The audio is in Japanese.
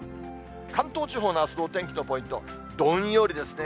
関東地方のあすのお天気のポイント、どんよりですね。